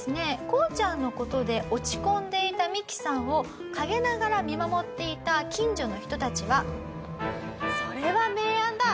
こうちゃんの事で落ち込んでいたミキさんを陰ながら見守っていた近所の人たちは「それは名案だ！